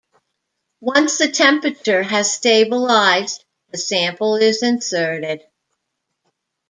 Once the temperature has stabilized the sample is inserted.